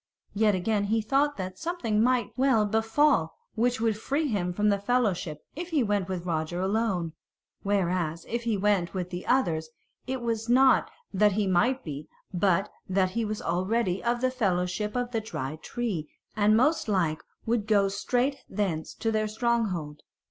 Yet again he thought that something might well befall which would free him from that fellowship if he went with Roger alone; whereas if he went with the others it was not that he might be, but that he was already of the fellowship of the Dry Tree, and most like would go straight thence to their stronghold.